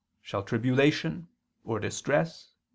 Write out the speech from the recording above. Shall tribulation? Or distress?"